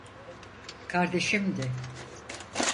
Kardeşimdi.